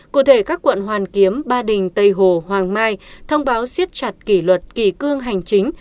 cụ thể các quận hoàn kiếm ba đình tây hồ hoàng mai thông báo siết chặt kỷ luật kỳ cương hành chính